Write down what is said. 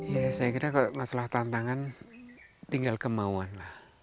ya saya kira kalau masalah tantangan tinggal kemauan lah